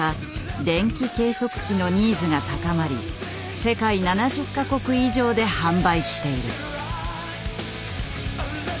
電気計測器のニーズが高まり世界７０か国以上で販売している。